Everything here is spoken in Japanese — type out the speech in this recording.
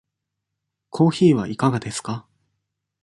コーヒーはいかがですか。